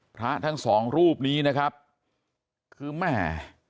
พระทั้งสองรูปนี้นะครับคือแม่